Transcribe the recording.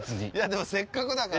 でも、せっかくだから。